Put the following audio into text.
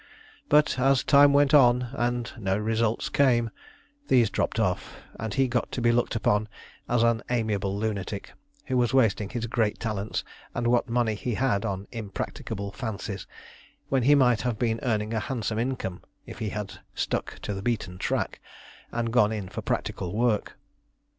But as time went on, and no results came, these dropped off, and he got to be looked upon as an amiable lunatic, who was wasting his great talents and what money he had on impracticable fancies, when he might have been earning a handsome income if he had stuck to the beaten track, and gone in for practical work.